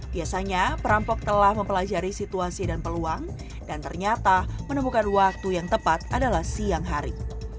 biasanya perampok telah mempelajari situasi dan peluang dan ternyata menemukan waktu yang tepat adalah siang hari